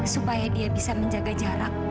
supaya dia bisa menjaga jarak